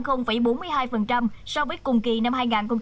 giảm so với cùng kỳ năm hai nghìn một mươi chín